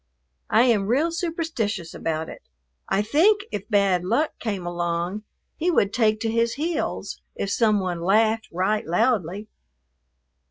I am real superstitious about it. I think if Bad Luck came along, he would take to his heels if some one laughed right loudly.